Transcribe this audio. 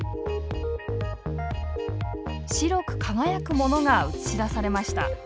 白く輝くものが映し出されました。